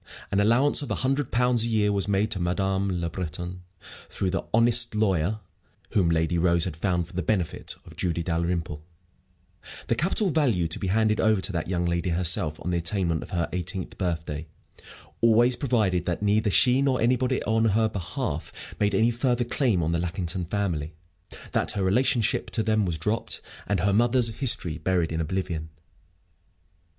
An allowance of a hundred pounds a year was made to Madame Le Breton, through the "honest lawyer" whom Lady Rose had found, for the benefit of "Julie Dalrymple," the capital value to be handed over to that young lady herself on the attainment of her eighteenth birthday always provided that neither she nor anybody on her behalf made any further claim on the Lackington family, that her relationship to them was dropped, and her mother's history buried in oblivion.